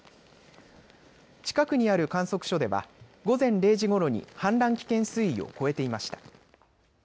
近くにある観測所では午前０時ごろに氾濫危険水位を超えていました。